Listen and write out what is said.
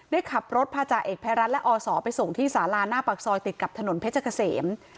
ได้ขับรถพาจาเอกภัยรัฐและอศไปส่งที่สาราหน้าปากซอยติดกับถนนเพชรเกษม